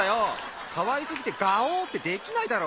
かわいすぎてガオッてできないだろ！